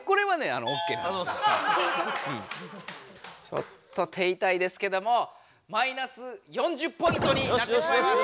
ちょっと手いたいですけどもマイナス４０ポイントになってしまいます。